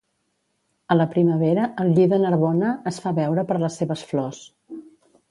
A la primavera el lli de Narbona es fa veure per les seves flors